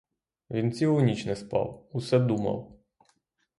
Він цілу ніч не спав, усе думав.